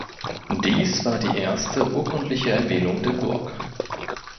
Dies war die erste urkundliche Erwähnung der Burg.